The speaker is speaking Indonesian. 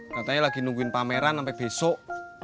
katanya lagi nungguin pameran sampai besok